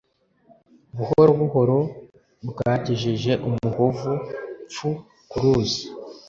Buhoro buhoro bwagejeje umuhovu (pfu) ku ruzi.